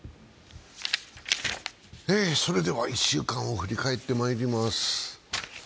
それでは一週間を振り返ってまいります。